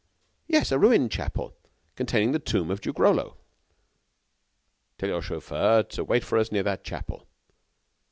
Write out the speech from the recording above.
"Yes, a ruined chapel, containing the tomb of Duke Rollo." "Tell your chauffer to wait for us near that chapel."